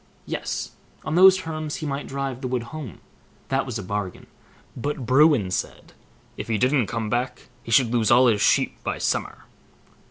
Yes! on those terms he might drive the wood home, that was a bargain; but Bruin said, "if he didn't come back, he should lose all his sheep by summer".